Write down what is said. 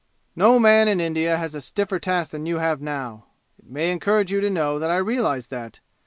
"No man in India has a stiffer task than you have now! It may encourage you to know that I realize that!